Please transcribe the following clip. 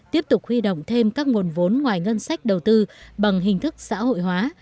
tiếp tục huy động thêm các nguồn vốn ngoài ngân sách đầu tư bằng hình thức xã hội hóa